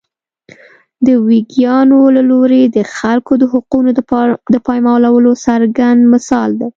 د ویګیانو له لوري د خلکو د حقونو د پایمالولو څرګند مثال دی.